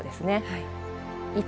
はい。